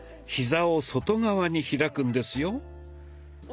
ヒザを外側に開くんですよ。